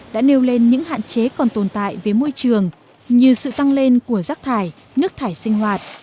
đã nêu lên những hạn chế còn tồn tại với môi trường như sự tăng lên của rác thải nước thải sinh hoạt